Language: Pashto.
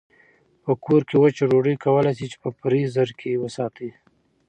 په کور کې وچه ډوډۍ کولای شئ چې په فریزر کې وساتئ.